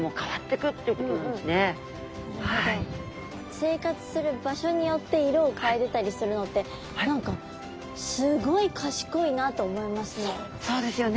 生活する場所によって色を変えてたりするのって何かすごい賢いなと思いますね。